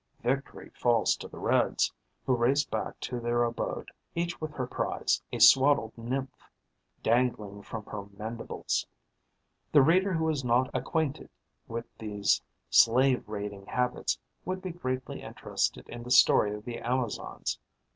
Victory falls to the reds, who race back to their abode, each with her prize, a swaddled nymph, dangling from her mandibles. The reader who is not acquainted with these slave raiding habits would be greatly interested in the story of the Amazons.